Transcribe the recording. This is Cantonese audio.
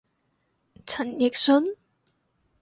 陳奕迅？